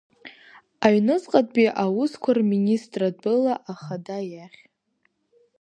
Аҩныҵҟатәи аусқәа рминистратәыла ахада иахь.